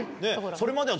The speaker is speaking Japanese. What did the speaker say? それまでは。